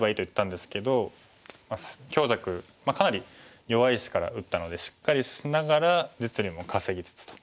強弱かなり弱い石から打ったのでしっかりしながら実利も稼ぎつつと。